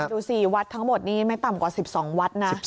ดูสิวัดทั้งหมดนี้ไม่ต่ำกว่า๑๒วัดนะ